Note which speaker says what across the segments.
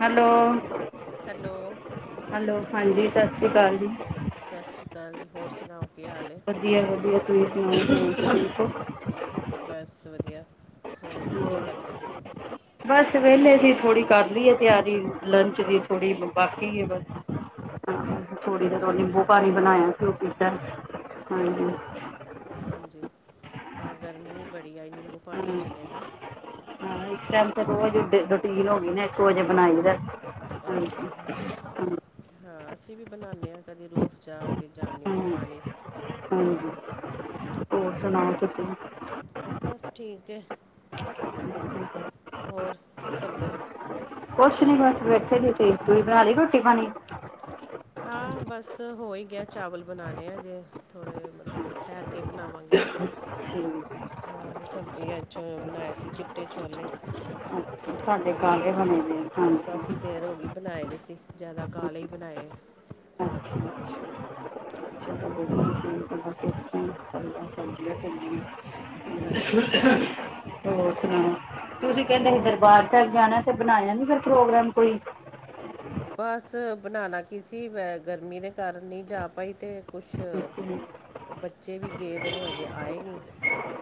Speaker 1: Hello.
Speaker 2: Hello
Speaker 1: hello, ਹਾਂਜੀ ਸਤਿ ਸ਼੍ਰੀ ਅਕਾਲ ਜੀ।
Speaker 2: ਸਤਿ ਸ਼੍ਰੀ ਅਕਾਲ ਜੀ ਹੋਰ ਸੁਣਾਓ ਕੀ ਹਾਲ ਹੈ
Speaker 1: ਵਧੀਆ, ਵਧੀਆ ਤੁਸੀ ਸੁਣਾਓ
Speaker 2: ਬਸ ਵਧੀਆ।
Speaker 1: ਹ [unintelligible]
Speaker 2: ਹੋਰ ਕੀ ਕਰਦੇ ਪਏ?
Speaker 1: [unintelligible] ਬਸ ਵਿਹਲੇ ਸੀ ਥੋੜ੍ਹੀ ਕਰ ਲਈਏ ਤਿਆਰੀ ਲੰਚ ਦੀ ਥੋੜੀ ਬਾਕੀ ਹੈ ਬਸ
Speaker 2: ਹ [unintelligible] [unintelligible]
Speaker 1: ਥੋੜੀ ਜਰ ਨਿੰਬੂ ਪਾਣੀ ਬਣਾਇਆ, ਉਹ ਪੀਤਾ, ਹਾਂਜੀ।
Speaker 2: ਹਾਂਜੀ ਤਾਂ ਗਰਮੀ ਵੀ ਬੜੀ ਆ ਨਿੰਬੂ ਪਾਣੀ ਹੀ
Speaker 1: ਹਮ
Speaker 2: ਚਲੇਗਾ।
Speaker 1: ਹਾਂ ਇਸ ਟਾਈਮ ਤੇ ਰੋਜ਼ ਰੂਟੀਨ ਹੋ ਗਈ ਨਾ ਇੱਕ ਵਜੇ ਬਣਾਈ ਦਾ
Speaker 2: ਅੱਛਾ।
Speaker 1: ਹਾਂਜੀ ਹਮ
Speaker 2: ਹਾਂ ਅਸੀਂ ਵੀ ਬਣਾਉਦੇ ਹਾਂ ਕਦੇ ਰੂਹ ਅਫਜਾ ਤੇ ਜਾਂ ਨਿੰਬੂ ਪਾਣੀ
Speaker 1: ਹਾਂਜੀ, ਹੋਰ ਸੁਣਾਓ ਤੁਸੀਂ?
Speaker 2: ਬਸ ਠੀਕ ਹੈ, ਹੋਰ ਕੀ ਕਰਦੇ ਪਏ
Speaker 1: ਕੁਛ ਨੀ ਬਸ ਬੈਠੇ ਦੀ ਸੀ, ਤੁਸੀ ਬਣਾ ਲਈ ਰੋਟੀ ਪਾਣੀ
Speaker 2: ਹਾਂ ਬਸ ਹੋ ਹੀ ਗਿਆ ਚਾਵਲ ਬਣਾਉਣੇ ਅਜੇ ਥੋੜ੍ਹੇ ਮਤਲਬ ਠਹਿਰ ਕੇ ਹੀ ਬਣਾਵਾਂਗੇ।
Speaker 1: ਠੀਕ।
Speaker 2: ਸਬਜ਼ੀ ਅਛਾ ਬਣਾਏ ਸੀ ਚਿੱਟੇ ਛੋਲੇ
Speaker 1: ਅੱਛਾ ਸਾਡੇ
Speaker 2: ਬੜੀ
Speaker 1: ਕਾਲੇ
Speaker 2: ਦੇਰ,
Speaker 1: ਬਣੇ ਦੇ ਆ, ਹਾਂਜੀ
Speaker 2: ਕਾਫੀ ਦੇਰ ਹੋ ਗਈ ਬਣਾਏ ਨਹੀ ਸੀ ਜ਼ਿਆਦਾ ਕਾਲੇ ਹੀ ਬਣਾਏ।
Speaker 1: ਅੱਛਾ, ਅੱਛਾ
Speaker 2: ਹ [unintelligible] [unintelligible]
Speaker 1: ਸਦੀ ਚਦੀਆਂ
Speaker 2: ਹਾਂਜੀ
Speaker 1: [unintelligible] ਹੋਰ ਸੁਣਾਓ, ਤੁਸੀਂ ਕਹਿੰਦੇ ਸੀ
Speaker 2: ਹੋਰ
Speaker 1: ਦਰਬਾਰ ਸਾਹਿਬ ਜਾਣਾ। ਤੇ ਬਣਾਇਆ ਨੀ ਫਿਰ ਪ੍ਰੋਗਰਾਮ ਕੋਈ
Speaker 2: ਬਸ ਬਣਾਉਣਾ ਕੀ ਸੀ ਵ ਗਰਮੀ ਦੇ ਕਾਰਨ ਨਹੀਂ ਜਾ ਪਾਈ ਤੇ ਕੁਛ
Speaker 1: ਅੱਛਾ
Speaker 2: ਬੱਚੇ ਵੀ ਗਏ ਦੇ ਨੇ ਅਜੇ ਆਏ ਨਹੀਂ।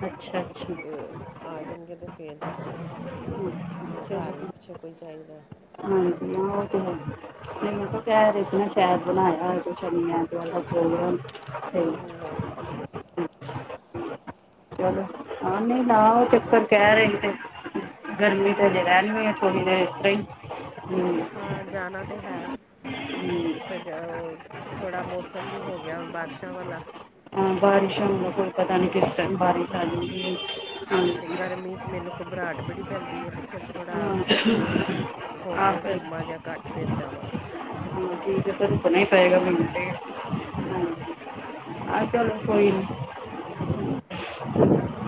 Speaker 1: ਅੱਛਾ,
Speaker 2: ਅਤੇ
Speaker 1: ਅੱਛਾ।
Speaker 2: ਆ ਜਾਣਗੇ ਤੇ ਫਿਰ ਜਾਵਾਂਗੇ,
Speaker 1: ਚਲੋ
Speaker 2: ਫਿਰ ਘਰ ਵੀ ਪਿੱਛੇ ਕੋਈ ਚਾਹੀਦਾ।
Speaker 1: ਹਾਂਜੀ। ਹਾ ਤੇ ਪੰਰਤੁ ਕਹ ਰਹੇ ਸੀ, ਸ਼ਹਿਦ ਬਣਾਇਆ ਹੋਵੇ ਤੇ ਸ਼ਨੀ ਐਤਵਾਰ
Speaker 2: ਨਹੀਂ
Speaker 1: [unintelligible] ਚਲੋ ਹਾਂ ਨਹੀਂ, ਨਾ ਉਹ ਚੱਕਰ ਕਹਿ ਰਹੀ ਤੇ ਗਰਮੀ ਤੇ ਹਜੇ ਰਹਿ ਥੋਰੀ ਦੇਰ ਇਸ ਤਰ੍ਹਾਂ ਹੀ ਹਮ,
Speaker 2: ਹਾਂ ਜਾਣਾ ਤੇ ਹੈ।
Speaker 1: ਹੂੰ,
Speaker 2: ਫਿਰ ਥੋੜ੍ਹਾ ਮੌਸਮ ਵੀ ਹੋ ਗਿਆ, ਹੁਣ ਬਾਰਿਸ਼ਾਂ ਵਾਲਾ
Speaker 1: ਹਾਂ ਬਾਰਿਸ਼ ਹੁੰਦਾ ਕੋਈ, ਪਤਾ ਨਹੀ ਕਿਸ ਟਾਈਮ ਬਾਰਿਸ਼ ਆ
Speaker 2: ਹਾਂ
Speaker 1: ਜਾਦੀ ਏ
Speaker 2: ਅਤੇ ਗਰਮੀ ਮੈਨੂੰ ਘਬਰਾਹਟ ਬੜੀ ਪੈਂਦੀ ਏ ਮੈ ਫਿਰ ਥੋੜ੍ਹਾ ਹੋ ਜਾਵੇ, ਗੁੰਮਾਂ ਜਾਂ ਘੱਟ ਫਿਰ ਜਾਵਾਂਗੇ।
Speaker 1: ਤੇ ਫਿਰ ਰੁਕਨਾ ਈ ਪਏਗਾ ਮੈਨੂੰ ਤੇ।
Speaker 2: ਹਾਂ,
Speaker 1: ਆਹ ਚਲੋ ਕੋਈ ਨੀ,
Speaker 2: ਹੂੰ,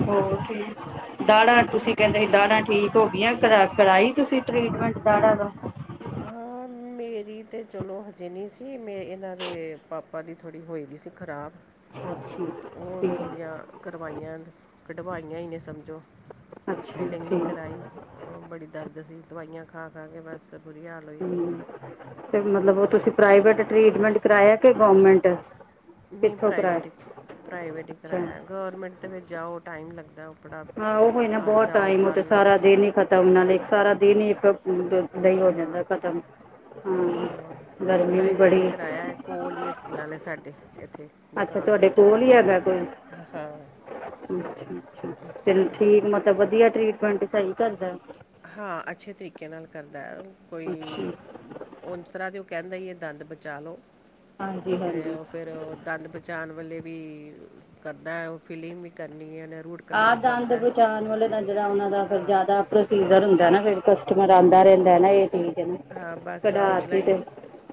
Speaker 1: ਹੋਰ ਠੀਕ, ਦਾੜਾਂ ਤੁਸੀਂ ਕਹਿੰਦੇ ਸੀ ਦਾੜਾਂ ਠੀਕ ਹੋ ਗਈਆਂ। ਕਰਾਈ, ਤੁਸੀਂ ਟ੍ਰੀਟਮੈਂਟ ਦਾੜਾ ਦਾ,
Speaker 2: ਆ, ਮੇਰੀ ਤਾਂ ਚਲੋ ਹਜੇ ਨਹੀਂ ਸੀ, ਮੇ ਇਹਨਾਂ ਦੇ ਪਾਪਾ ਦੀ ਥੋੜ੍ਹੀ ਹੋਏ ਦੀ ਸੀ, ਖ਼ਰਾਬ
Speaker 1: ਅੱਛਾ-ਅੱਛਾ,
Speaker 2: ਉਹ ਥੋੜੀਆਂ ਕਰਵਾਈਆਂ, ਕਢਵਾਈਆਂ ਹੀ ਨੇ ਸਮਝੋ।
Speaker 1: ਅੱਛਾ
Speaker 2: ਫਿਲਿਲਿੰਗ ਨਹੀਂ
Speaker 1: ਠੀਕ
Speaker 2: ਕਰਵਾਈ, ਉਹ ਬੜੀ ਦਰਦ ਸੀ ਦਵਾਈਆਂ ਖਾ-ਖਾ ਕੇ ਬਸ ਬੁਰੀ ਹਾਲਤ।
Speaker 1: ਹੂੰ ਤੇ ਮਤਲਬ, ਉਹ ਤੁਸੀਂ ਪ੍ਰਾਈਵੇਟ ਟਰੀਟਮੈਂਟ ਕਰਾਇਆ, ਕਿ ਗੌਰੌਰਮੈਂਟ?
Speaker 2: ਨਹੀਂ ਪ੍ਰਾਈਵੇਟ ਹੀ ਪ੍ਰਾਈਵੇਟ ਹੀ
Speaker 1: ਅੱਛਾ
Speaker 2: ਕਰਵਾਇਆ, ਗੌਰਮੈਂਟ ਦੇ ਵਿੱਚ ਜਾਓ ਟਾਈਮ ਲੱਗਦਾ। ਬੜਾ
Speaker 1: ਹਾਂ ਉਹ ਨਾ
Speaker 2: ਅੱਜ
Speaker 1: ਬਹੁਤ
Speaker 2: ਜਾਓ
Speaker 1: ਟਾਈਮ ਉਹ ਤੇ
Speaker 2: ਕੱਲ੍ਹ ਆਓ
Speaker 1: ਸਾਰਾ ਦਿਨ ਹੀ ਖਤ ਤਾਂ ਨਾਲ ਦੇ ਇੱਕ ਸਾਰਾ ਦਿਨ ਹੀ ਇੱਕ ਨਹੀਂ ਹੋ
Speaker 2: ਹਾਂ
Speaker 1: ਜਾਂਦਾ ਖਤਮ ਹਾਂ
Speaker 2: ਬਸ
Speaker 1: ਗਰਮੀ ਵੀ
Speaker 2: ਪ੍ਰਾਈਵੇਟ ਹੀ
Speaker 1: ਬੜੀ
Speaker 2: ਕਿਰਾਇਆ ਹੈ, ਕੋਲ ਹੀ ਨਾਲੇ ਸਾਡੇ ਇੱਥੇ
Speaker 1: ਅੱਛਾ
Speaker 2: ਦੁਕਾਨ ਤੇ
Speaker 1: ਤੁਹਾਡੇ
Speaker 2: ਕੋਲ ਹਾਂ,
Speaker 1: ਅ ਅੱ ਠੀਕ ਮਤਲਬ ਵਧੀਆ ਟਰੀਟਮੈਂਟ ਸਹੀ ਕਰਦਾ।
Speaker 2: ਹਾਂ, ਅੱਛੇ ਤਰੀਕੇ ਨਾਲ ਕਰਦਾ ਹੈ ਕੋਈ
Speaker 1: ਅੱਛਾ
Speaker 2: ਉਸਰਾ ਤੇ ਉਹ ਕਹਿੰਦਾ ਹੀ ਏ, ਇਹ ਦੰਦ ਬਚਾ ਲਉ,
Speaker 1: ਹਾਂਜੀ
Speaker 2: ਕਿ
Speaker 1: ਹਾਂਜੀ
Speaker 2: ਫਿਰ ਦੰਦ ਪਹਿਚਾਣ ਵੇਲੇ ਵੀ ਕਰਦਾ ਹੈ, ਉਹ ਫਿਲਿੰਗ ਵੀ ਕਰਨੀ ਰ
Speaker 1: ਆਹ ਦੰਦ ਬਚਾਉਣ ਵਾਲੇ ਤਾਂ, ਜਿਹੜਾ ਉਹਨਾ ਦਾ ਫੇਰ
Speaker 2: ਹਾਂ
Speaker 1: ਜ਼ਿਆਦਾ ਪ੍ਰੋਸੀਜ਼ਰ ਹੁੰਦਾ ਨਾ, ਫਿਰ ਕਸਟਮਰ
Speaker 2: ਉਹ
Speaker 1: ਆਉਂਦਾ ਰਹਿੰਦਾ, ਨਾ ਇਹ ਚੀਜ਼
Speaker 2: ਹਾਂ ਬਸ ਆਉ
Speaker 1: ਕਢਾਤੀ
Speaker 2: ਚਲਾਈ
Speaker 1: ਤੇ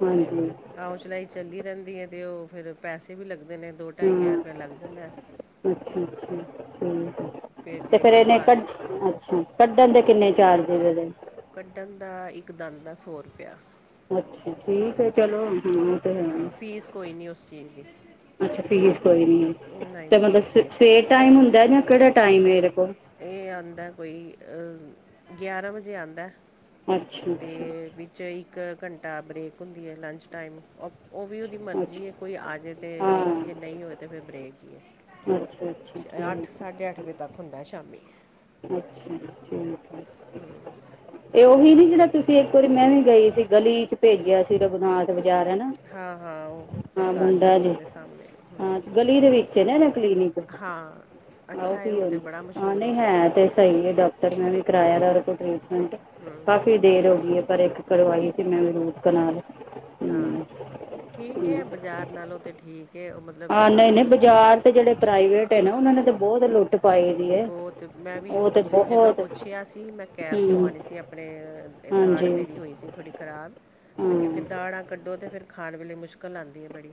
Speaker 1: ਹਾਂਜੀ।
Speaker 2: ਆਉ ਚਲਾਈ ਚੱਲੀ ਰਹਿੰਦੀ ਹੈ, ਤੇ ਉਹ ਫਿਰ ਪੈਸੇ ਵੀ ਲੱਗਦੇ ਨੇ, ਦੋ ਢਾਈ ਹਜ਼ਾਰ ਰੁਪਇਆ ਲੱਗ ਜਾਂਦਾ।
Speaker 1: ਅੱਛਾ-ਅੱਛਾ ਠੀਕ ਹੈ,
Speaker 2: ਫਿਰ
Speaker 1: ਤੇ
Speaker 2: ਜੇ
Speaker 1: ਫੇਰ ਇਹਨੇ
Speaker 2: ਕਢਵਾ
Speaker 1: ਕੱਢ ਅੱਛਾ, ਕੱਢਣ ਦੇ ਕਿੰਨੇ ਚਾਰਜ ਐਦੇ,
Speaker 2: ਕੱਢਣ ਦਾ ਇੱਕ ਦੰਦ ਦਾ ਸੌ ਰੁਪਇਆ।
Speaker 1: ਅੱਛਾ ਠੀਕ ਹੈ ਚਲੋ, ਓ ਤੇ ਹੈ।
Speaker 2: ਹਾਂ ਫੀਸ ਕੋਈ ਨਹੀਂ ਉਸ ਚੀਜ਼ ਦੀ
Speaker 1: ਅੱਛਾ ਫੀਸ ਕੋਈ ਨੀ,
Speaker 2: ਨਹੀਂ
Speaker 1: ਤੇ ਮਤਲਬ
Speaker 2: ਫੀਸ ਨਹੀਂ
Speaker 1: ਸਵੇਰ ਟਾਈਮ ਹੁੰਦਾ ਜਾਂ, ਕਿਹੜਾ ਟਾਈਮ ਏਦੇ ਕੋਲ
Speaker 2: ਇਹ ਆਦਾ ਕੋਈ ਗਿਆਰਾਂ ਵਜੇ ਆਉਦਾ।
Speaker 1: ਅੱਛਾ
Speaker 2: ਅਤੇ
Speaker 1: ਅੱਛਾ
Speaker 2: ਵਿੱਚ ਇੱਕ ਘੰਟਾ ਬਰੇੇਕ ਹੁੰਦੀ ਹੈ, ਲੰਚ ਟਾਈਮ ਉਹ ਵੀ ਉਹਦੀ ਮਰਜ਼ੀ ਹੈ
Speaker 1: ਅੱਛਾ
Speaker 2: ਕੋਈ ਆ ਜਾਵੇ, ਤਾਂ ਨਹੀਂ ਜੇ ਨਹੀਂ ਹੋਵੇ ਤਾਂ ਫਿਰ ਬ੍ਰੇਕ ਹੀ ਹੈ।
Speaker 1: ਅੱਛਾ-ਅੱਛਾ,
Speaker 2: ਸ਼- ਅੱਠ
Speaker 1: ਠੀਕ
Speaker 2: ਸਾਢੇ ਅੱਠ ਵਜੇ ਤੱਕ ਹੁੰਦਾ ਸ਼ਾਮੀ,
Speaker 1: ਅੱਛਾ ਠੀਕ ਹੈ। ਇਹ ਉਹੀ ਨੀ ਜਿਹੜਾ ਤੁਸੀਂ ਇੱਕ ਵਾਰੀ ਮੈਂ ਵੀ ਗਈ ਸੀ, ਗਲੀ ਚ ਭੇਜਿਆ ਸੀ ਰਘੁਨਾਥ ਬਾਜ਼ਾਰ ਹੈ ਨਾ
Speaker 2: ਹਾਂ ਹਾਂ ਉਹ
Speaker 1: ਹਾਂ
Speaker 2: ਪ੍ਰਕਾਸ਼
Speaker 1: ਮੁੰਡਾ
Speaker 2: ਡਾਕਟਰ
Speaker 1: ਜੀ
Speaker 2: ਦੇ ਸਾਹਮਣੇ
Speaker 1: ਹਾਂ ਗਲੀ ਦੇ ਵਿੱਚ ਹੈ ਨਾ ਇਹਦਾ ਕਲੀਨਿਕ
Speaker 2: ਹਾਂ
Speaker 1: ਉਹ
Speaker 2: ਅੱਛਾ ਹੈ
Speaker 1: ਵੀ
Speaker 2: ਹੁਣ ਤਾਂ ਬੜਾ
Speaker 1: ਹਾਂ
Speaker 2: ਮਸ਼ਹੂਰ ਹੋ
Speaker 1: ਨਹੀਂ
Speaker 2: ਗਿਆ ਤ
Speaker 1: ਹੈ ਤੇ ਸਹੀ ਹੈ ਡਾਕਟਰ ਨੇ ਵੀ ਕਰਾਇਆ ਉਹਦੇ ਕੋਲ ਟਰੀਟਮੈਂਟ
Speaker 2: ਹੂੰ
Speaker 1: ਕਾਫੀ ਦੇਰ ਹੋ ਗਈ ਹੈ ਪਰ ਇੱਕ ਕਰਵਾਈ ਸੀ ਮੈਂ ਰੂਟ ਕਨਾਲ
Speaker 2: ਹਾਂ
Speaker 1: ਹਮ
Speaker 2: ਠੀਕ ਹੈ,
Speaker 1: ਹਮ
Speaker 2: ਆ ਬਾਜ਼ਾਰ ਨਾਲੋਂ ਤੇ ਠੀਕ ਹੈ ਉਹ ਮਤਲਬ ਡ-
Speaker 1: ਹਾਂ ਨਹੀਂ-ਨਹੀਂ,
Speaker 2: ਅਗਰ
Speaker 1: ਬਾਜ਼ਾਰ ਤੇ ਜਿਹੜੇ ਪ੍ਰਾਈਵੇਟ ਨੇ ਨਾ, ਉਹਨਾਂ ਨੇ ਤੇ ਬਹੁਤ ਲੁੱਟ ਪਾਈ ਦੀ ਹੈ
Speaker 2: ਬਹੁਤ ਮੈਂ ਵੀ
Speaker 1: ਉਹ ਤੇ
Speaker 2: ਦੂਸਰੀ ਜਗ੍ਹਾ
Speaker 1: ਬਹੁਤ
Speaker 2: ਪੁੱਛਿਆ ਸੀ ਮੈਂ ਕੈਬ
Speaker 1: ਹਮ
Speaker 2: ਪਵਾਉਣੀ ਸੀ ਆਪਣੇ ਦਾੜ
Speaker 1: ਹਾਂਜੀ
Speaker 2: ਮੇਰੀ ਹੋਈ ਸੀ ਥੋੜ੍ਹੀ ਖਰਾਬ
Speaker 1: ਹਾਂ
Speaker 2: ਕਿਉਂਕਿ ਦਾੜ ਕੱਢੋ ਫਿਰ ਖਾਣ ਵੇਲੇ ਮੁਸ਼ਕਿਲ ਆਉਂਦੀ ਹੈ ਬੜੀ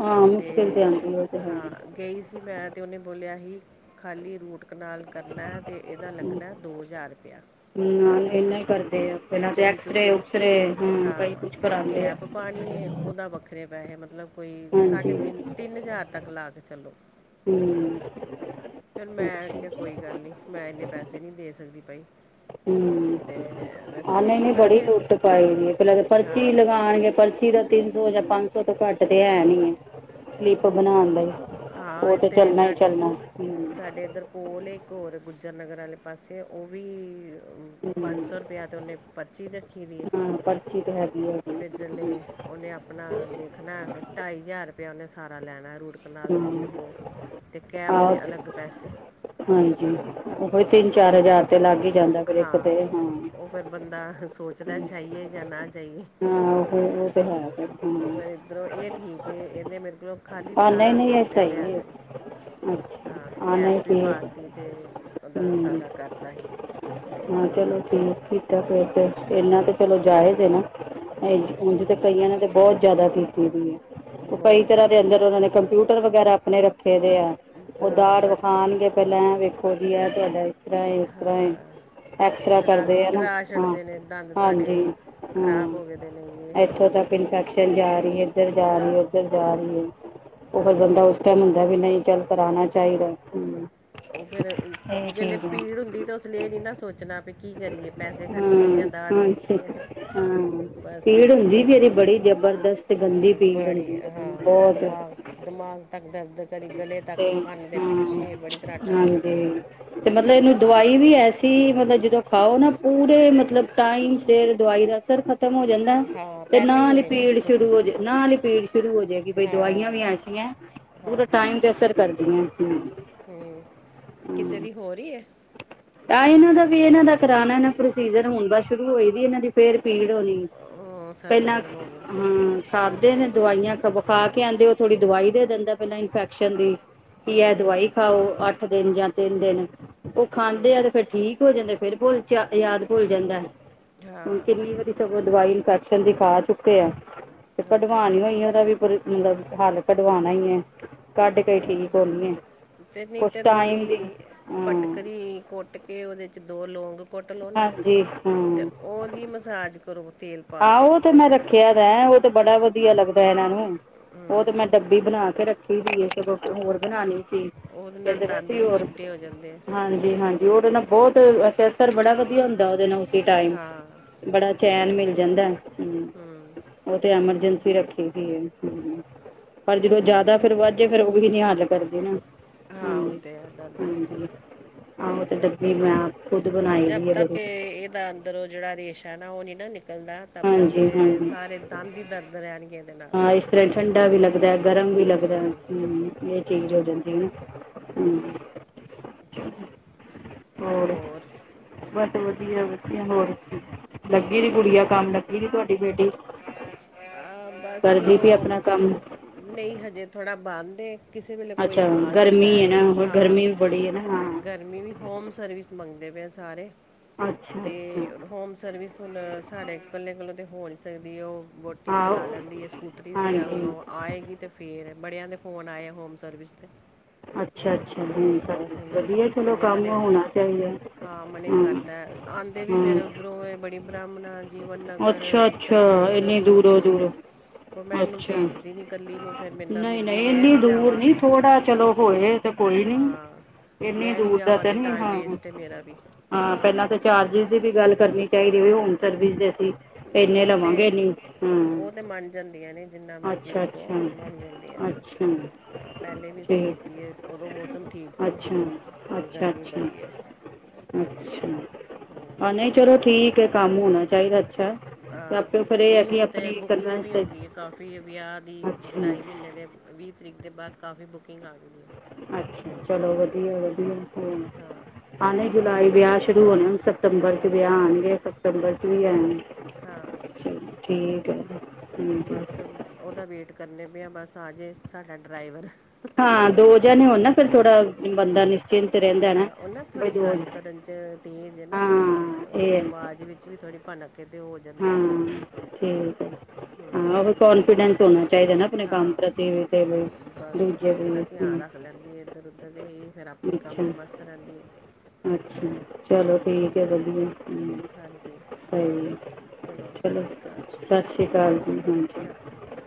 Speaker 1: ਹਾਂ ਮੁਸ਼ਕਿਲ ਤੇ ਆਉਂਦੀ ਉਹ ਤੇ ਹੈ
Speaker 2: ਹਾਂ ਗਈ ਸੀ ਮੈਂ ਅਤੇ ਉਹਨੇ ਬੋਲਿਆ ਸੀ ਖਾਲੀ ਰੂਟ ਕਨਾਲ ਕਰਨਾ ਅਤੇ ਇਹਦਾ ਲੱਗਣਾ ਦੋ ਹਜ਼ਾਰ ਰੁਪਇਆ
Speaker 1: ਹਮ ਨਹੀਂ ਕਰਦੇ
Speaker 2: ਤੇ
Speaker 1: ਪਹਿਲ ਤਾਂ
Speaker 2: ਜਿਹੜੀ
Speaker 1: ਐਕਸਰੇ
Speaker 2: ਤੁਸੀਂ
Speaker 1: ਉਕਸਰੇ ਹਾਂ ਕਈ ਕੁਛ ਕਰਾ
Speaker 2: ਕੈਪ ਪਾਣੀ ਹੈ ਉਹਦਾ ਵੱਖਰੇ ਪੈਸੇ ਮਤਲਬ ਕੋਈ ਸਾਢੇ
Speaker 1: ਹਾਂਜੀ
Speaker 2: ਤਿੰਨ ਤਿੰਨ ਹਜ਼ਾਰ ਤੱਕ ਲਾ ਕੇ ਚੱਲੋ
Speaker 1: ਹਮ
Speaker 2: ਚੱਲ ਮੈਂ ਅ
Speaker 1: ਅੱਛਾ
Speaker 2: ਕਿਹਾ ਕੋਈ ਗੱਲ ਨਹੀਂ ਮੈਂ ਇੰਨੇ ਪੈਸੇ ਨਹੀਂ ਦੇ ਸਕਦੀ ਪਾਈ
Speaker 1: ਹਮ ਆਨੇ ਬੜੀ
Speaker 2: ਵੈਸੇ
Speaker 1: ਲੁੱਟ ਪਾਈ ਦੀ ਪਹਿਲਾਂ ਪਰਚੀ
Speaker 2: ਹਾਂ
Speaker 1: ਲਗਾਉਣਗੇ ਪਰਚੀ ਇਸ ਦਾ ਤਿੰਨ ਸੌ ਜਾਂ ਪੰਜ ਸੌ ਤੋਂ ਘੱਟ ਤੇ ਹੈ ਨੀ ਹੈ ਸਲਿਪ ਬਣਾਉਣ ਲਈ ਉਹ
Speaker 2: ਹਾਂ
Speaker 1: ਤੇ ਚੱਲਣਾ ਹੀ
Speaker 2: ਸਾ
Speaker 1: ਚੱਲਣਾ
Speaker 2: ਸਾਡੇ ਇੱਧਰ ਕੋਲ ਇੱਕ ਹੋਰ ਗੁੱਜਰ ਨਗਰ ਵਾਲੇ ਪਾਸੇ ਉਹ ਵੀ ਪੰਜ
Speaker 1: ਹੂੰ
Speaker 2: ਸੌ ਰਪਇਆ ਤੇ ਉਹਨੇ ਪਰਚੀ ਰੱਖੀ ਦੀ ਹੈ
Speaker 1: ਹਾਂ ਪਰਚੀ ਤੇ ਹੈਗੀ ਹੈ
Speaker 2: ਫਿਰ ਜੇ ਉਹਨੇ ਆਪਣਾ ਦੇਖਣਾ ਢਾਈ ਹਜ਼ਾਰ ਰੁਇਆ ਉਹਨੇ ਸਾਰਾ ਲੈਣਾ ਰੁ
Speaker 1: ਹਾਂ
Speaker 2: ਟੈਕਨਜੀ ਵੋ ਅਤੇ ਕੈਪ
Speaker 1: ਆਹ
Speaker 2: ਦੇ ਅਲੱਗ ਪੈਸੇ
Speaker 1: ਹਾਂਜੀ ਉਹ ਤਿੰਨ ਚਾਰ ਹਜ਼ਾਰ ਤੇ ਲੱਗ ਹੀ ਜਾਂਦਾ ਫਿਰ ਇੱਕ ਤੇ ਹਾਂ ਹੂੰ।
Speaker 2: ਉਹ ਫਿਰ ਬੰਦਾ ਸੋਚਦਾ ਜਾਈਏ ਜਾਂ ਨਾ ਜਾਈਏ
Speaker 1: ਹਾਂ ਉਹ ਉਹ ਤੇ ਹੈ ਫ ਹਮ
Speaker 2: ਮੱਧਰੋਂ ਇਹ ਸੀ ਕਿ ਇਹਨੇ ਮੇਰੇ ਕੋਲੋਂ ਖਾਲੀ
Speaker 1: ਹਾਂ ਨਹੀਂ
Speaker 2: ਅਠਾਰਾਂ
Speaker 1: ਨਹੀਂ
Speaker 2: ਸੌ
Speaker 1: ਇਹ
Speaker 2: ਰੁਪਇਆ ਲਿਆ
Speaker 1: ਸਹੀ ਹੈ
Speaker 2: ਸੀ
Speaker 1: ਅੱਛਾ
Speaker 2: ਹਾਂ
Speaker 1: ਨਹੀਂ
Speaker 2: ਕੈਪ ਵੀ
Speaker 1: ਠੀਕ ਹੈ।
Speaker 2: ਪਾਾਤੀ ਤੇ ਓਦਾ
Speaker 1: ਹੂੰ
Speaker 2: ਸਾਰਾ ਕਰਤਾ ਸੀ
Speaker 1: ਹਾਂ ਚਲੋ ਠੀਕ ਕੀਤਾ ਫੇਰ ਤੇ ਇਹਨਾਂ ਤੇ ਚਲੋ ਜਾਇਜ਼ ਨਾ
Speaker 2: ਹਾਂ
Speaker 1: ਇਝ ਕਈਆਂ ਨੇ ਦੇ ਬਹੁਤ ਜਿਆਦਾ ਕੀਤੀ ਵੀ ਹੈ ਉਹ ਕਈ
Speaker 2: ਬਹੁਤ
Speaker 1: ਤਰ੍ਹਾਂ
Speaker 2: ਜ਼ਿਆਦਾ
Speaker 1: ਦੇ ਅੰਦਰ ਉਹਨਾਂ ਨੇ ਕੰਪਿਊਟਰ ਵਗੈਰਾ ਆਪਣੇ ਰੱਖੇ ਦੇ ਆ ਉ
Speaker 2: ਹਾਂ
Speaker 1: ਦਾੜ
Speaker 2: ਬਸ
Speaker 1: ਵਖਾਣਗੇ ਪਹਿਲਾਂ ਵੇਖੋ ਵੀ ਹੈ ਤੁਹਾਡਾ ਇਸ ਤਰ ਹੈ ਉਸ ਤਰ੍ਹਾਂ
Speaker 2: ਹਾਂ
Speaker 1: ਐਕਸਰਾ
Speaker 2: ਡਰਾ
Speaker 1: ਕਰਦੇ ਆ ਨਾ
Speaker 2: ਡਰਾ
Speaker 1: ਹਾਂ
Speaker 2: ਛੱਡਦੇ ਨੇ ਦੰਦ
Speaker 1: ਹਾਂਜੀ
Speaker 2: ਤੁਹਾਡੇ ਖਰਾਬ
Speaker 1: ਹਮ
Speaker 2: ਹੋ ਗਏ ਦੇ ਨੇ ਇਹ ਹੈ
Speaker 1: ਇੱਥੋਂ
Speaker 2: ਉਹ ਹੈ
Speaker 1: ਤੱਕ ਇਨਫੈਕਸ਼ਨ ਜਾ ਰਹੀ ਇੱਧਰ ਜਾ ਰਹੀ
Speaker 2: ਹਾਂ
Speaker 1: ਉੱਧਰ ਜਾ ਰਹੀ ਹੈ ਉਹ ਫਿਰ
Speaker 2: ਹਾਂ
Speaker 1: ਬੰਦਾ ਉਸ ਟਾਈਮ ਹੁੰਦਾ ਵੀ ਨਹੀਂ ਚੱਲ ਕਰਾਉਣਾ ਚਾਹੀਦਾ ਹ
Speaker 2: ਉਹ ਫਿਰ ਜਿਸ ਦੇ ਭੀੜ ਹੁੰਦੀ ਤਾਂ ਉਸ ਲਈ ਇਹ ਨਹੀਂ ਨਾ ਸੋਚਣਾ ਵੀ ਕੀ ਕਰੀਏ ਪਸੇ ਖਰਚਏ
Speaker 1: ਹਾਂ
Speaker 2: ਜਾਂ ਦਾੜ
Speaker 1: ਹਾਂਜੀ
Speaker 2: ਦੇਖਏ
Speaker 1: ਹਾਂ
Speaker 2: ਬਸ ਇਹ
Speaker 1: ਪੀੜ ਹੁੰਦੀ ਵੀ
Speaker 2: ਚੱਕਰ
Speaker 1: ਇਹਦੀ ਬੜੀ ਜ਼ਬਰਦਸਤ ਤੇ ਗੰਦੀ ਪੀੜ
Speaker 2: ਬੜੀ
Speaker 1: ਹੁੰਦੀ ਹੈ
Speaker 2: ਹਾਂ
Speaker 1: ਬਹੁਤ
Speaker 2: ਦਿਮਾਗ ਦਿਮਾਗ ਤੱਕ ਦਰਦ ਕਰਦੀ ਗਲੇ ਤੱਕ
Speaker 1: ਤੇ
Speaker 2: ਕੰਨ ਦੇ
Speaker 1: ਹਾਂ
Speaker 2: ਪਿੱਛੇ ਬੜੀ ਤਰਾਟਾਂ
Speaker 1: ਹਾਂਜੀ
Speaker 2: ਪੈਂਦੀਆਂ
Speaker 1: ਤੇ ਮਤਲਬ ਇਹਨੂੰ ਦਵਾਈ ਵੀ ਹੈ ਅਸੀਂ ਮਤਲਬ ਜਦੋਂ ਖਾਓ ਨਾ ਪੂਰੇ ਮਤਲਬ ਟਾਈਮ ਸੇਰ ਦਵਾਈ ਦਾ ਅਸਰ ਖ਼ਤਮ ਹੋ ਜਾਂਦਾ
Speaker 2: ਹਾਂ
Speaker 1: ਤੇ
Speaker 2: ਪਹਿਲੇ
Speaker 1: ਨਾਲ ਹੀ
Speaker 2: ਹੋਏਗਾ
Speaker 1: ਪੀੜ ਸ਼ੁਰੂ ਹੋ ਜਾ ਨਾੀ ਪੀੜ ਸ਼ੁਰੂ ਹੋ ਜਾਏਗੀ ਬਈ ਦਵਾਈਆਂ
Speaker 2: ਹਾਂ
Speaker 1: ਵੀ ਐਸੀਆਂ
Speaker 2: ਹਾਂ
Speaker 1: ਪੂਰਾ ਟਾਈਮ ਤੇ ਅਸਰ ਕਰਦੀ
Speaker 2: ਹਮ ਕਿਸੇ ਦੀ ਹੋਰ ਹੀ ਹੈ
Speaker 1: ਆਹ ਇਹਨਾਂ ਦਾ ਵੀ ਇਹਨਾਂ ਦਾ ਕਰਾਉਣਾ ਨਾ ਪ੍ਰੋਸੀਜਰ ਹੁਣ ਬਸ ਸ਼ੁਰੂ ਹੋਏ ਸੀ ਇਹਨਾਂ ਦੀ ਫੇਰ ਪੀੜ ਹੋਣੀ
Speaker 2: ਉਹ ਸਰਦ
Speaker 1: ਪਹਿਲਾਂ
Speaker 2: ਗਰਮ ਹੋ ਗਿਆ
Speaker 1: ਹਾਂ ਖਾਧਦੇ ਨੇ ਦਵਾਈਆਂ ਵਿ ਖਾ ਕੇ ਆਉਂਦੇ ਉਹ ਥੋੜੀ ਦਵਾਈ ਦੇ ਦਿੰਦਾ ਪਹਿਲਾਂ ਇਨਫੈਕਸ਼ਨ ਦੀ ਕੀ ਹੈ
Speaker 2: ਹੂੰ
Speaker 1: ਦਵਾਈ ਖਾਓ ਅੱਠ ਦਿਨ ਜਾਂ ਤਿੰਨ ਦਿਨ ਉਹ ਖਾਂਦੇ
Speaker 2: ਹੂੰ
Speaker 1: ਆ ਤੇ ਫੇਿਰ ਠੀਕ ਹੋ ਜਾਂਦੇ ਫੇਿਰ ਭੁੱਲ ਯਾਦ ਭੁੱਲ ਜਾਂਦਾ ਹੁਣ
Speaker 2: ਹਾਂ
Speaker 1: ਕਿੰਨੀ ਵਾਰੀ ਚੋ ਦਵਾਈ ਇਨਫੈਕਸ਼ਨ ਦਿਖਾ ਚੁੱਕੇ ਆ ਤੇ
Speaker 2: ਉਹ
Speaker 1: ਕਢਵਾਾਨ
Speaker 2: ਹੈ
Speaker 1: ਹੋਈ ਉਹਦਾ ਵੀ ਮਤਲਬ ਹੱਲ ਕਢਵਾਉਣਾ ਈ ਹੈ ਕੱਢ ਕੇਈ ਠੀਕ ਹੋਣੀ ਹੈ
Speaker 2: ਤੇ ਨਹੀਂ
Speaker 1: ਕੁਛ
Speaker 2: ਤਾਂ
Speaker 1: ਟਾਈਮ ਦੀ
Speaker 2: ਥੋੜ੍ਹੀ
Speaker 1: ਹਾਂ
Speaker 2: ਫਟਕਰੀ ਕੁੱਟ ਕੇ ਉਹਦੇ 'ਚ ਦੋ ਲੌਂਗ ਕੁੱਟ ਲਓ ਨਾ
Speaker 1: ਹਾਂਜੀ ਹਾਂ
Speaker 2: ਤੇ ਉਹਦੀ ਮਸਾਜ ਕਰੋ ਤੇਲ ਪਾ ਕੇ
Speaker 1: ਆਹੋ
Speaker 2: ਇੱਕ
Speaker 1: ਉਹ ਤੇ ਮੈਂ
Speaker 2: ਬੂੰਦ
Speaker 1: ਰੱਖਿਆ ਵ ਉਹ ਤੇ ਬੜਾ ਵਧੀਆ ਲੱਗਦਾ ਇਹਨਾਂ ਨੂੰ ਉਹ ਤੇ
Speaker 2: ਹੂੰ
Speaker 1: ਮੈਂ ਬਣਾ ਕੇ ਰੱਖੀ ਹੋਈਏ ਹੋਰ ਬਣਾਉਣੀ ਸੀ
Speaker 2: ਉਹਦੇ ਨਾਲ
Speaker 1: ਫ ਤੇ
Speaker 2: ਦੰਦ
Speaker 1: ਵੈਸੇ
Speaker 2: ਵੀ
Speaker 1: ਹੋਰ
Speaker 2: ਚਿੱਟੇ ਹੋ ਜਾਂਦੇ ਆ
Speaker 1: ਹਾਂਜੀ ਹਾਂਜੀ ਹੋਰ ਨਾ ਬਹੁਤ ਅਸ ਬੜਾ ਵਧੀਆ ਹੁੰਦਾ ਉਹਦੇ ਨਾਲ ਟਮ
Speaker 2: ਹਾਂ
Speaker 1: ਬੜਾ ਚੈਨ ਮਿਲਦਾ ਜਾਂਦਾ ਹੂੰ
Speaker 2: ਹੂੰ
Speaker 1: ਉਹ ਤੇ ਐਮਰਜੈਂਸੀ ਰੱਖੀ ਸੀ ਪਰ ਜਦੋਂ ਜ਼ਿਆਦਾ ਫੇਰ ਵੱਧਜੇ ਫੇਰ ਉਹੀ ਨੀ ਹੱਲ ਕਰਦੇ ਨਾ
Speaker 2: ਹਾਂ
Speaker 1: ਹ
Speaker 2: ਹੁੰਦੇ ਆ ਦੰਦ
Speaker 1: ਹਾਂਜੀ ਆਹੋ ਤੇ ਡੱਬ ਮੈਂ ਖੁਦ ਬਣਾਈ
Speaker 2: ਜਦ
Speaker 1: ਦੀ ਹੈ
Speaker 2: ਤੱਕ
Speaker 1: ਬੜੀ
Speaker 2: ਇਹਦਾ ਅੰਦਰੋਂ ਜਿਹੜਾ ਰੇਸ਼ਾ ਨਾ ਉਹ ਨੀ ਨਾ ਨਿਕਲਦਾ ਤਦ ਤੱਕ
Speaker 1: ਹਾਂਜੀ
Speaker 2: ਇਹ
Speaker 1: ਹਾਂਜੀ
Speaker 2: ਸਾਰੇ ਦੰਦ ਹੀ ਦਰਦ ਰਹਿਣਗੇ ਇਹਦੇ ਨਾਲ
Speaker 1: ਹਾਂ ਇਸ ਤਰ੍ਹਾਂ ਠੰਡਾ ਵੀ ਲੱਗਦਾ ਗਰਮ ਵੀ ਲੱਗਦਾ
Speaker 2: ਹੂੰ
Speaker 1: ਹੂੰ ਇਹ ਚੀਜ਼ ਹੋ ਜਾਂਦੀ ਹੈ ਹੂੰ ਹੋਰ ਬਸ ਵਧੀਆ ਵਧੀਆ ਹੋਰ ਲੱਗੀ ਦੀ ਗੁੜੀਆ ਦਾ ਕੰਮ ਲੱਗੀ ਸੀ ਤੁਹਾਡੀ ਬੇਟੀ
Speaker 2: ਬਸ
Speaker 1: ਕਰਦੀ ਪਈ
Speaker 2: ਉਹ
Speaker 1: ਆਪਣਾ ਕੰਮ
Speaker 2: ਨਹੀਂ ਹਜੇ ਥੋੜ੍ਹਾ ਬੰਦ ਏ ਕਿਸੇ ਵੇਲੇ ਕੋਈ
Speaker 1: ਅੱਛਾ
Speaker 2: ਆ
Speaker 1: ਗਰਮੀ
Speaker 2: ਜਾਂਦਾ
Speaker 1: ਹੈ
Speaker 2: ਏ
Speaker 1: ਨਾ ਹੋਰ
Speaker 2: ਹਾਂ
Speaker 1: ਗਰਮੀ ਵੀ ਬੜੀ ਹੈ ਨਾ ਹਾਂ
Speaker 2: ਗਰਮੀ ਵੀ ਹੋਮ ਸਰਵਿਸ ਮੰਗਦੇ ਪਏ ਸਾਰੇ
Speaker 1: ਅੱਛਾ ਅੱਛਾ
Speaker 2: ਅਤੇ ਹੋਮ ਸਰਵਿਸ ਹੁਣ ਸਾਡੇ ਇਕੱਲੇ ਇਕੱਲੋਂ ਤਾਂ ਹੋ ਨਹੀਂ ਸਕਦੀ ਉਹ ਵੋਹਟੀ ਚਲਾ
Speaker 1: ਆਹੋ
Speaker 2: ਲੈਂਦੀ ਹੈ ਸਕੂਟਰੀ 'ਤੇ ਹੁਣ
Speaker 1: ਹਾਂਜੀ
Speaker 2: ਉਹ ਆਏਗੀ ਅਤੇ ਫੇਰ ਬੜਿਆਂ ਦੇ ਫੋਨ ਆਏ ਹੋਮ ਸਰਵਿਸ ਤੇ
Speaker 1: ਅੱਛਾ ਅੱਛਾ
Speaker 2: ਤੇ
Speaker 1: ਹੋਮ
Speaker 2: ਉਹ
Speaker 1: ਸਰਵਿਸ
Speaker 2: ਹੁਣ
Speaker 1: ਵਧੀਆ ਚਲੋ
Speaker 2: ਇੰਨੇ ਮਨ
Speaker 1: ਕੰਮ ਹੋਣਾ ਚਾਹੀਦਾ
Speaker 2: ਹਾਂ ਮਨ
Speaker 1: ਹਮ
Speaker 2: ਕਰਦਾ ਆਂ ਵੀ
Speaker 1: ਹਮ
Speaker 2: ਫਿਰ ਉੱਧਰੋਂ ਬੜੀ ਬ੍ਰਾਹਮਣਾਂ ਜੀਵਨ ਨਗਰ
Speaker 1: ਅੱਛਾ
Speaker 2: ਧਰ
Speaker 1: ਅੱਛਾ
Speaker 2: ਹੋਰ
Speaker 1: ਇੰਨੀ
Speaker 2: ਦੂਰ
Speaker 1: ਦੂਰੋਂ
Speaker 2: ਦੂਰ ਦੇ
Speaker 1: ਦੂਰੋਂ
Speaker 2: ਉਹ ਮੈਂ ਇਹਨੂੰ
Speaker 1: ਅੱਛਾ
Speaker 2: ਭੇਜਦੀ ਨੀ ਕੱਲੀ ਨੂੰ ਫਿਰ ਮੇਰੇ ਨਾਲ
Speaker 1: ਨਹੀਂ
Speaker 2: ਜੇ
Speaker 1: ਨਹੀਂ
Speaker 2: ਮੈਂ
Speaker 1: ਇੰਨੀ
Speaker 2: ਵੀ
Speaker 1: ਦੂਰ
Speaker 2: ਜਾਵਾਂ
Speaker 1: ਨੀ ਥੋੜਾ ਚਲੋ ਹੋਏ ਤੇ ਕੋਈ ਨੀ
Speaker 2: ਹਾਂ
Speaker 1: ਇੰਨੀ
Speaker 2: ਮੈਂ ਵੀ
Speaker 1: ਦੂਰ ਦਾ
Speaker 2: ਜਾਵਾਂ
Speaker 1: ਤ
Speaker 2: ਤੇ
Speaker 1: ਨਹੀਂ
Speaker 2: ਟਾਈਮ
Speaker 1: ਹਾਂ
Speaker 2: ਵੇਸਟ ਹੈ ਮੇਰਾ ਵੀ
Speaker 1: ਹਾਂ ਪਹਿਲਾਂ ਤਾਂ ਚਾਰਜਿਸ ਦੀ ਵੀ ਗੱਲ ਕਰਨੀ ਚਾਹੀਦੀ ਹੋ ਹੋਮ ਸਰਵਿਸ ਦੇ ਅਸੀਂ
Speaker 2: ਨਹੀਂ
Speaker 1: ਇੰਨੇ
Speaker 2: ਉਹ ਤੇ
Speaker 1: ਲਵਾਂਗੇ ਇੰਨੀ
Speaker 2: ਉਹ ਤੇ
Speaker 1: ਹਾਂ
Speaker 2: ਮੰਨ ਜਾਂਦੀਆਂ ਨੇ ਜਿੰਨਾ ਮਰਜੀ
Speaker 1: ਅੱਛਾ
Speaker 2: ਰੱਖੋ
Speaker 1: ਅੱਛਾ
Speaker 2: ਮੰਨ ਜਾਂਦੀਆਂ
Speaker 1: ਅੱਛਾ
Speaker 2: ਹਾਂ ਪਹਿਲੇ ਵੀ ਅਸੀਂ
Speaker 1: ਠੀਕ
Speaker 2: ਕੀਤੀ ਹੈ ਉਦੋਂ ਮੌਸਮ ਠੀਕ ਸੀ
Speaker 1: ਅੱਛਾ
Speaker 2: ਹੁਣ
Speaker 1: ਅੱਛਾ
Speaker 2: ਗਰਮੀ
Speaker 1: ਅੱਛਾ
Speaker 2: ਬੜੀ ਹੈ
Speaker 1: ਅੱਛਾ ਹਾਂ ਨਹੀਂ ਚਲੋ ਠੀਕ ਹੈ ਕੰਮ ਹੋਣਾ ਚਾਹੀਦਾ ਅੱਛਾ ਅਤੇ ਆਪੇ ਫਿਰ ਇਹ ਹੈ
Speaker 2: ਨਹੀਂ
Speaker 1: ਕਿ
Speaker 2: ਹੁਣ ਤਾਂ
Speaker 1: ਆਪਣੀ
Speaker 2: ਬੁਕਿੰਗ
Speaker 1: ਕਨਵੈਂਸ
Speaker 2: ਵੀ ਹੋ
Speaker 1: 'ਤੇ
Speaker 2: ਗਈ ਹੈ ਕਾਫੀ ਵੀ ਵਿਆਹ ਦੀ
Speaker 1: ਅੱਛਾ
Speaker 2: ਜੁਲਾਈ ਮਹੀਨੇ ਦੇ ਵੀਹ ਤਰੀਕ ਦੇ ਬਾਅਦ ਕਾਫੀ ਬੁਕਿੰਗ ਆ ਗਈ ਹੈ
Speaker 1: ਅੱਛਾ ਚਲੋ ਵਧੀਆ ਵਧੀਆ
Speaker 2: ਹਾਂ
Speaker 1: ਆਣੇ
Speaker 2: ਹੁਣ
Speaker 1: ਜੁਲਾਈ ਵਿਆਹ ਸ਼ੁਰੂ ਹੋਣੇ ਹੁਣ ਸਤੰਬਰ ਚ ਵਿਆਹ
Speaker 2: ਹਾਂ
Speaker 1: ਆਣਗੇ ਸਪਤੰਬਰ ਚ ਵੀ ਆ
Speaker 2: ਹਾਂ
Speaker 1: ਠੀਕ ਹੈ ਜੀ
Speaker 2: ਬਸ ਉਹਦਾ ਵੇਟ ਕਰਨੇ ਪਏਿਆ ਬਸ ਆ ਜੇ ਸਾਡਾ ਡਰਾਈਵਰ
Speaker 1: ਹਾਂ ਦੋ ਜਣੇ ਹੋਣ ਨਾ ਫੇਰ ਥੋੜਾ ਬੰਦਾ ਨ
Speaker 2: ਹਾਂ ਉਹ ਨਾ ਥੋੜ੍ਹੀ ਗੱਲ ਕਰਨ ਚ ਤੇਜ਼ ਹੈ ਨਾ ਥੋੜ੍ਹੀ
Speaker 1: ਹਾਂ ਇਹ
Speaker 2: ਉਹਦੀ
Speaker 1: ਹੈ
Speaker 2: ਆਵਾਜ਼ ਵਿੱਚ ਵੀ [unintelligible] ਕਿਦੇ ਹੋਰ ਜਾ
Speaker 1: ਹਾਂ ਠੀਕ ਹੈ
Speaker 2: ਹੂੰ
Speaker 1: ਹਾਂ ਉਹ ਵੀ ਕਨਫੀਡੈਂਸ [unintelligible] ਚਾਹੀਦਾ ਨਾ ਆਪਣੇ ਕੰਮ
Speaker 2: ਹਾਂ
Speaker 1: ਪ੍ਰਤੀ ਤੇ
Speaker 2: ਬਸ
Speaker 1: ਦੂਜੇ
Speaker 2: ਉਹ ਹੜਾ
Speaker 1: ਵੀ
Speaker 2: ਧਿਆਨ
Speaker 1: ਹਮ,
Speaker 2: ਰੱਖ ਲੈਂਦੀ ਹੈ ਇੱਧਰ ਉੱਧਰ ਦੇ ਇਹ ਫਿਰ ਆਪਣੇ ਕੰਮ 'ਚ
Speaker 1: ਅੱਛਾ
Speaker 2: ਮਸਤ ਰਹਿੰਦੀ ਐ
Speaker 1: ਅੱਛਾ ਚਲੋ ਠੀਕ ਹੈ ਵਧੀਆ
Speaker 2: ਹਾਂਜੀ
Speaker 1: ਹ ਸਹੀ
Speaker 2: ਸਤਿ
Speaker 1: ਚਲੋ
Speaker 2: ਸ਼੍ਰੀ ਅਕਾਲ
Speaker 1: ਸਤਿ ਸ਼੍ਰੀ ਅਕਾਲ ਜੀ
Speaker 2: ਸਤਿ
Speaker 1: ਹਾਂਜੀ
Speaker 2: ਸ਼੍ਰੀ ਅਕਾਲ